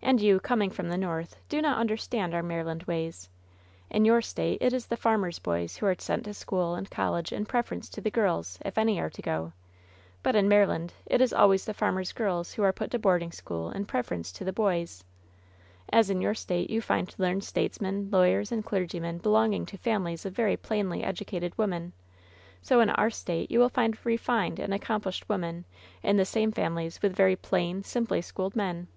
And you, coming from the North, do not understand our Maryland ways. In your State it is the farmers' boys who are sent to school and college in preference to the girls, if any are to go; but in Maryland it is always the farmers' girls who are put to boarding school in preference to the boys; as in your State you find learned statesmen, lawyers and clergymen belonging to families of very plainly educated women, so in our State you will find refined and accomplished women in the same families with very plain, simply schooled men.